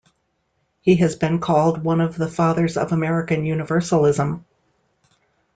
He has been called one of the fathers of American Universalism.